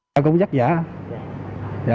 tôi cũng rất giả